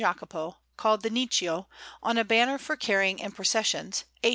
Jacopo, called the Nicchio, on a banner for carrying in processions, a S.